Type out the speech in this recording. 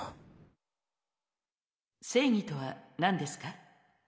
正義とは何ですか？